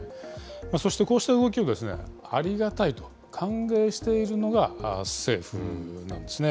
そしてこうした動きをありがたいと、歓迎しているのが政府なんですね。